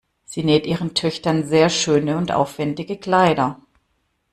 Sie näht ihren Töchtern sehr schöne und aufwendige Kleider.